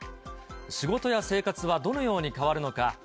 仕事や生活はどのように変わるのか。